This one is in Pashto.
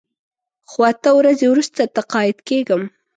خو اته ورځې وروسته تقاعد کېږم.